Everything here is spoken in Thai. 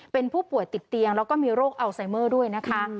เป็นผู้ป่วยติดเตียงแล้วก็มีโรคอัลไซเมอร์ด้วยนะคะ